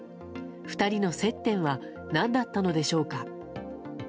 ２人の接点は何だったのでしょうか。